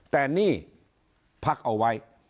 แต่นี่พักเอาไว้